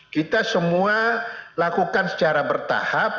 kita semua lakukan secara bertahap